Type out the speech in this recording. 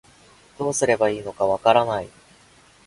どうすればいいのかわからない